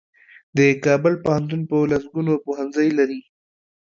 د کابل پوهنتون په لسګونو پوهنځۍ لري.